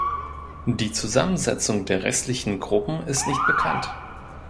Die Zusammensetzung der restlichen Gruppen ist nicht bekannt.